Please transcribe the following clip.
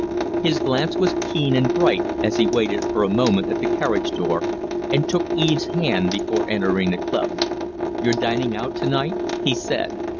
His glance was keen and bright as he waited for a moment at the carriage door and took Eve's hand before entering the club. "You're dining out to night?" he said.